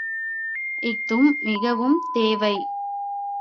இஃதும் மிகவும் தேவை.